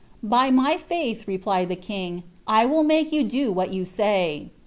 " By my &iih," replied the king, " 1 will make yon do what you say."